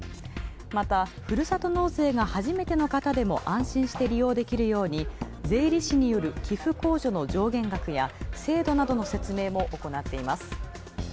また、ふるさと納税が初めての方でも安心して利用できるように税理士による寄付控除の上限額や制度などの説明もおこなっています。